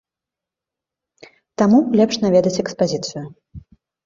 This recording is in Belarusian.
Таму лепш наведаць экспазіцыю.